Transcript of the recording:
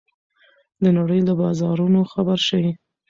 د نړۍ له بازارونو خبر شئ.